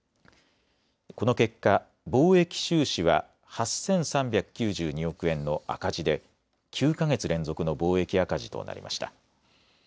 この結果、貿易収支は８３９２億円の赤字で９か月連続の貿易赤字となりました。